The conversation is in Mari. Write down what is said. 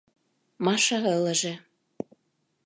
— Маша ылыже.